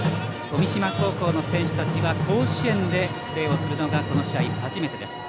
富島高校の選手たちは甲子園でプレーするのがこの試合初めてです。